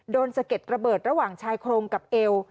สะเก็ดระเบิดระหว่างชายโครงกับเอว